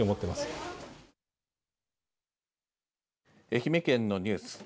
愛媛県のニュース